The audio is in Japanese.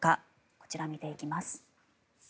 こちら見ていきます。